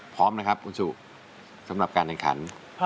พร้อมนะครับคุณสุสำหรับการแข่งขัน